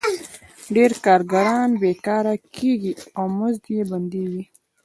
ډېر کارګران بېکاره کېږي او مزد یې بندېږي